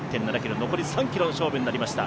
残り３ｋｍの勝負になりました。